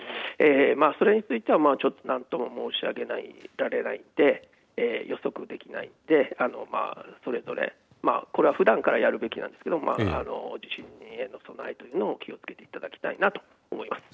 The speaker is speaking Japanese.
それについては何とも申しあげられないので予測できないのでそれぞれ、これはふだんからやるべきなんですけど地震への備えを気をつけていただきたいなと思います。